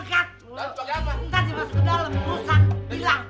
ntar dia masuk ke dalam rusak